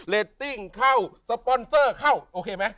ตติ้งเข้าสปอนเซอร์เข้าโอเคไหม